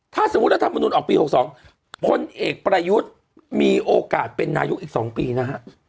ถ้าสมมุติรัฐมนุนออกปี๖๒พลเอกประยุทธ์มีโอกาสเป็นนายกอีก๒ปีนะฮะ